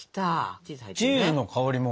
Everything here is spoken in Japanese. チーズの香りも。